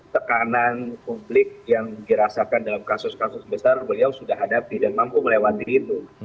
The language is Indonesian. tekanan publik yang dirasakan dalam kasus kasus besar beliau sudah hadapi dan mampu melewati itu